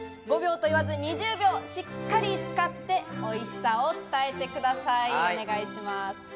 ５秒と言わずに２０秒しっかり使って、おいしさを伝えてください。